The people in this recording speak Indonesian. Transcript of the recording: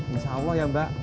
insya allah ya mbak